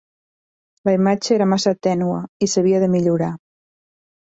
La imatge era massa tènue, i s'havia de millorar.